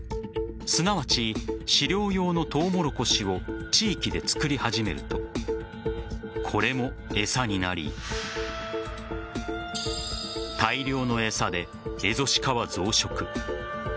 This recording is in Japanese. すなわち飼料用のとうもろこしを地域で作り始めるとこれも餌になり大量の餌でエゾシカは増殖。